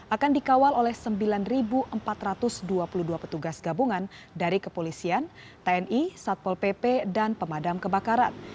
akan dikawal oleh sembilan empat ratus dua puluh dua petugas gabungan dari kepolisian tni satpol pp dan pemadam kebakaran